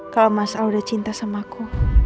kalau mas al sudah cintamu